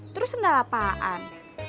terus sendal apaan